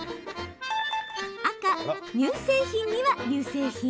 赤・乳製品には乳製品？